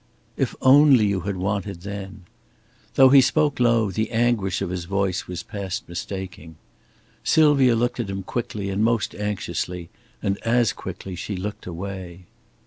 "If only you had wanted then!" Though he spoke low, the anguish of his voice was past mistaking. Sylvia looked at him quickly and most anxiously; and as quickly she looked away.